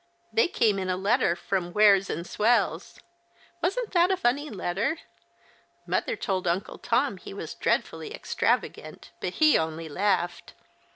They came in a letter from Wears and Swells. AVasn't that a funny letter? Mother told Uncle Tom he was dreadfully extravagant ; but he only laughed.